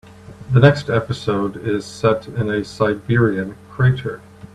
The next episode is set in a Siberian crater.